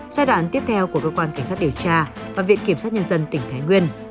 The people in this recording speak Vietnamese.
giai đoạn tiếp theo của cơ quan cảnh sát điều tra và viện kiểm sát nhân dân tỉnh thái nguyên